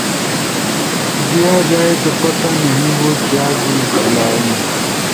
دیا جائے تو پتا نہیں وہ کیا گل کھلائیں۔